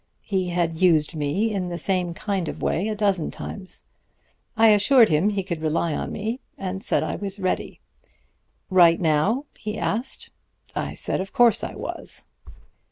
He had used me in the same kind of way a dozen times. I assured him he could rely on me, and said I was ready. 'Right now?' he asked. I said, of course I was.